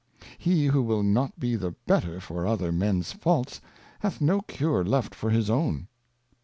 He who will not be the better for other Mens Faults, hath no cure left for his own.